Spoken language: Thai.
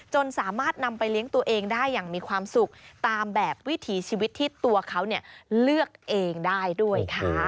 จนสามารถนำไปเลี้ยงตัวเองได้อย่างมีความสุขตามแบบวิถีชีวิตที่ตัวเขาเลือกเองได้ด้วยค่ะ